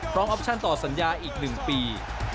ออปชั่นต่อสัญญาอีก๑ปี